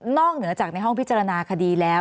เหนือจากในห้องพิจารณาคดีแล้ว